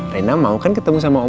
reina mau kan ketemu sama oma